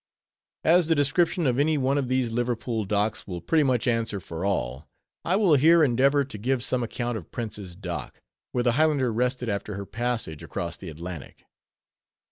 As the description of any one of these Liverpool docks will pretty much answer for all, I will here endeavor to give some account of Prince's Dock, where the Highlander rested after her passage across the Atlantic.